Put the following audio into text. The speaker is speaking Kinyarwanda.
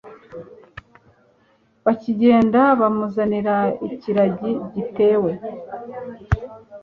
Bakigenda bamuzanira ikiragi gitewe